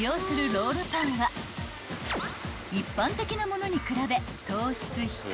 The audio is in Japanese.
［一般的なものに比べ］